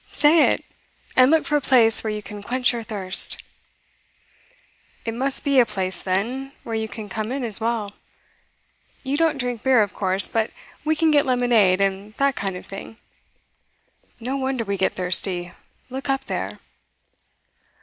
'Say it, and look for a place where you can quench your thirst.' 'It must be a place, then, where you can come in as well. You don't drink beer, of course, but we can get lemonade and that kind of thing. No wonder we get thirsty; look up there.